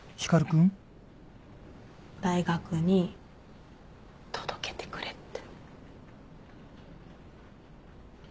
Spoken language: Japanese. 大学に届けてくれって。